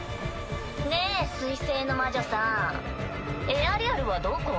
ねえ水星の魔女さんエアリアルはどこ？